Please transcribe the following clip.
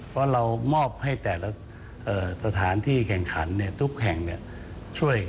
เพราะเรามอบให้แต่ละสถานที่แข่งขันทุกแห่งช่วย